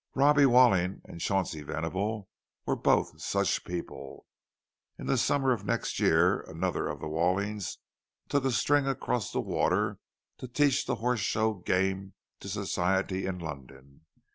Robbie Walling and Chauncey Venable were both such people; in the summer of next year another of the Wallings took a string across the water to teach the horse show game to Society in London.